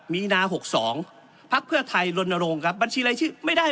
มีนา๖๒พักเพื่อไทยลนโรงครับบัญชีรายชื่อไม่ได้